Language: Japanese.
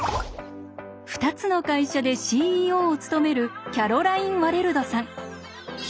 ２つの会社でＣＥＯを務めるキャロライン・ワレルドさん。